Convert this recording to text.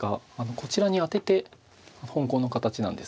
こちらにアテて本コウの形なんです。